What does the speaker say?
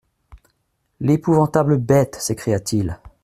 «L'épouvantable bête !» s'écria-t-il.